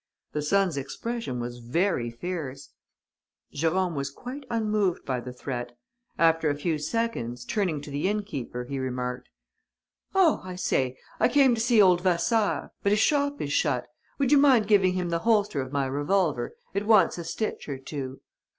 The son's expression was very fierce. "Jérôme was quite unmoved by the threat. After a few seconds, turning to the inn keeper, he remarked: "'Oh, I say! I came to see old Vasseur. But his shop is shut. Would you mind giving him the holster of my revolver? It wants a stitch or two.'